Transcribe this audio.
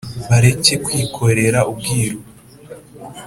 Bareke kwikorera Ubwiru